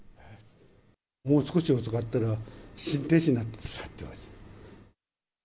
もう少し遅かったら、心停止になってたって言われました。